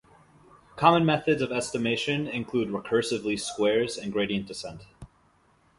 Common methods of estimation include recursive least squares and gradient descent.